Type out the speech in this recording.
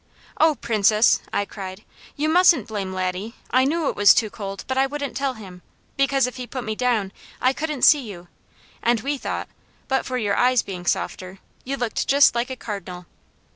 "Oh Princess," I cried, "you mustn't blame Laddie! I knew it was too cold, but I wouldn't tell him, because if he put me down I couldn't see you, and we thought, but for your eyes being softer, you looked just like a cardinal."